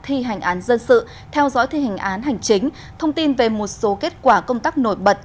thi hành án dân sự theo dõi thi hành án hành chính thông tin về một số kết quả công tác nổi bật